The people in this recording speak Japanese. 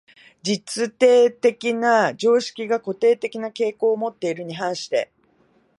実定的な常識が固定的な傾向をもっているに反して、